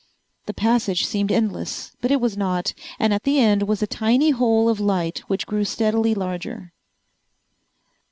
The passage seemed endless but it was not, and at the end was a tiny hole of light which grew steadily larger.